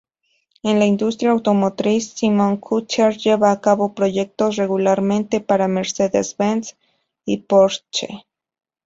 En la industria automotriz Simon-Kucher lleva a cabo proyectos regularmente para Mercedes-Benz y Porsche.